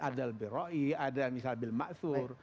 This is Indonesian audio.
ada l'beroi ada misal bilma'athur